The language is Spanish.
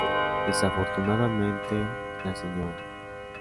Desafortunadamente la Sra.